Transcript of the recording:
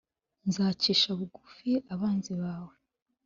Nzacisha bugufi abanzi bawe